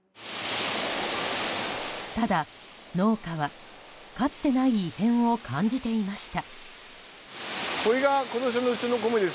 ただ、農家はかつてない異変を感じていました。